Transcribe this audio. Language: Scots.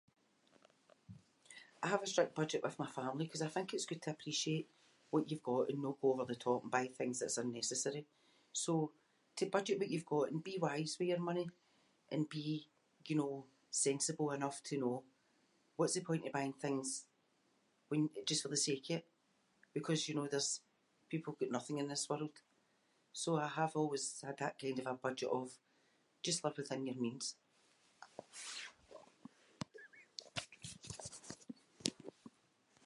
I have a strict budget with my family ‘cause I think it’s good to appreciate what you’ve got and no go over the top and buy things that’s unnecessary. So to budget what you’ve got and be wise with your money and be, you know, sensible enough to know. What’s the point of buying things when- just for the sake of it, because, you know, there’s people got nothing in this world. So I have always had that kind of a budget of just live within your means.